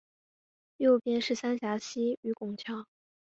右边是三峡溪与拱桥